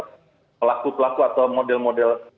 pelaku pelaku atau model model